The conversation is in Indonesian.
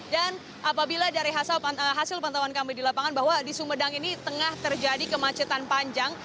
dan apabila dari hasil pantauan kami di lapangan bahwa di sumedang ini tengah terjadi kemacetan panjang